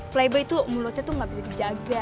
playboy tuh mulutnya tuh gak bisa dijaga